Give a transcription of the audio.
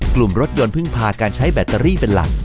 กลุ่มรถยนต์พึ่งพาการใช้แบตเตอรี่เป็นหลัก